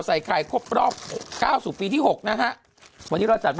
นานเลยใช่ไหมก่อนจะติด